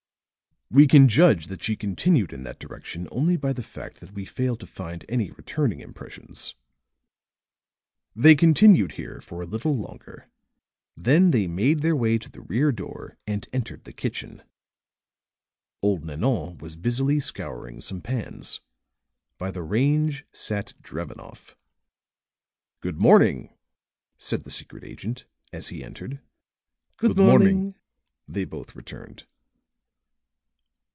We can judge that she continued in that direction only by the fact that we fail to find any returning impressions." They continued here for a little longer, then they made their way to the rear door and entered the kitchen. Old Nanon was busily scouring some pans. By the range sat Drevenoff. "Good morning," said the secret agent, as he entered. "Good morning," they both returned.